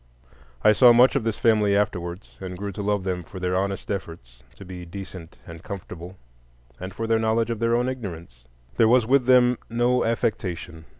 I saw much of this family afterwards, and grew to love them for their honest efforts to be decent and comfortable, and for their knowledge of their own ignorance. There was with them no affectation.